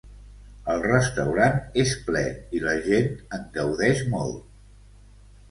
El restaurant és ple i la gent en gaudeix molt.